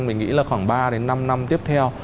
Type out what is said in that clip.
mình nghĩ là khoảng ba đến năm năm tiếp theo